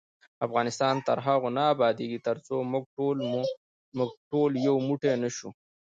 افغانستان تر هغو نه ابادیږي، ترڅو موږ ټول یو موټی نشو.